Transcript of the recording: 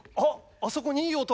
あそこにいい男。